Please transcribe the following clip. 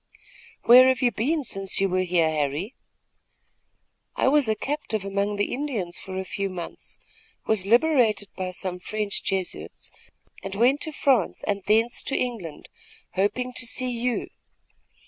"Where have you been since you were here, Harry?" "I was a captive among the Indians for a few months, was liberated by some French Jesuits and went to France and thence to England, hoping to see you.